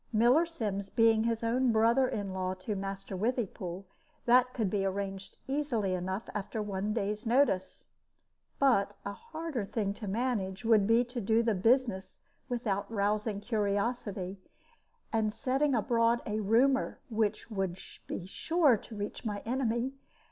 Miller Sims being own brother in law to Master Withypool, that could be arranged easily enough, after one day's notice. But a harder thing to manage would be to do the business without rousing curiosity, and setting abroad a rumor which would be sure to reach my enemy.